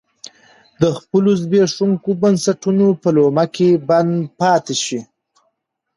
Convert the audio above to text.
د خپلو زبېښونکو بنسټونو په لومه کې بند پاتې شي.